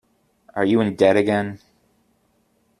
Are you in debt again?